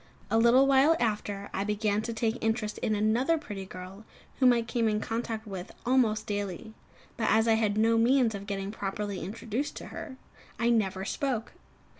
A little while after, I began to take an interest in another pretty girl whom I came in contact with almost daily; but, as I had no means of getting properly introduced to her, I never spoke.